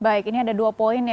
baik ini ada dua poin ya